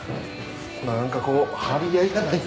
何かこう張り合いがないなぁ。